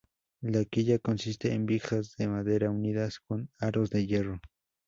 La quilla consiste en vigas de madera unidas con aros de hierro.